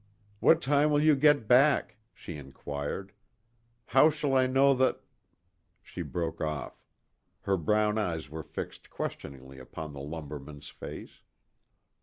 "What time will you get back?" she inquired. "How shall I know that " She broke off. Her brown eyes were fixed questioningly upon the lumberman's face.